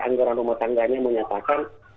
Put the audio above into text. anggora rumah tangganya menyatakan